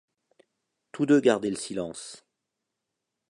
Tous deux gardaient le silence.